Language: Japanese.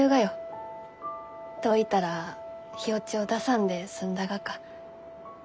どういたら火落ちを出さんで済んだがか。